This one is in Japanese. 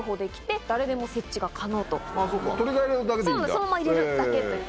そのまま入れるだけという。